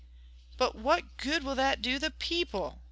"But what good will that do the people?"